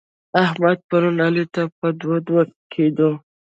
احمد؛ پرون علي ته په دوه دوه کېدو.